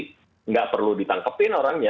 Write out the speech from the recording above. tidak perlu ditangkepin orangnya